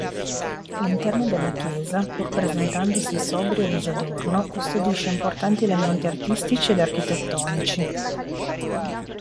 L'interno della chiesa, pur presentandosi sobrio e disadorno, custodisce importanti elementi artistici ed architettonici.